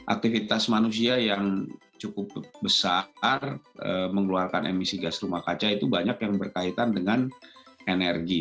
aktivitas manusia yang cukup besar mengeluarkan emisi gas rumah kaca itu banyak yang berkaitan dengan energi